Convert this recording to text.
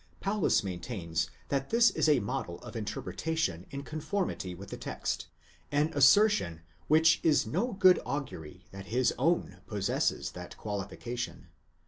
Paulus maintains that this is a model of interpretation in conformity with the text ; 18 an assertion which is no good augury that his own possesses that qualification.